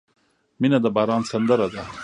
• مینه د باران سندره ده.